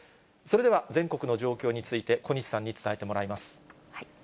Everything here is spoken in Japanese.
それでは、全国の状況について、小西さんに伝えてもらいます。